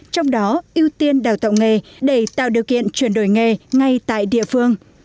trong đó ưu tiên đào tạo nghề để tạo điều kiện chuyển đổi nghề ngay tại địa phương